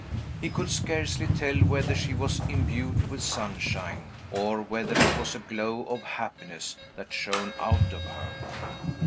He could scarcely tell whether she was imbued with sunshine, or whether it was a glow of happiness that shone out of her.